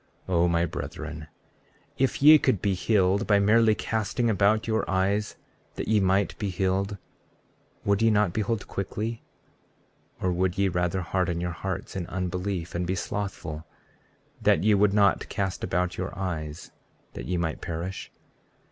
33:21 O my brethren, if ye could be healed by merely casting about your eyes that ye might be healed, would ye not behold quickly, or would ye rather harden your hearts in unbelief, and be slothful, that ye would not cast about your eyes, that ye might perish?